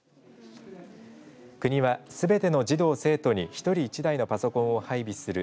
国は、すべての児童、生徒に１人１台のパソコンを配備するＧＩＧＡ